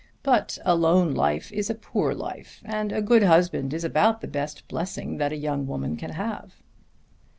But a lone life is a poor life, and a good husband is about the best blessing that a young woman can have."